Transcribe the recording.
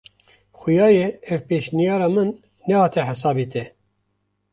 Xuya ye ev pêşniyara min nehate hesabê te.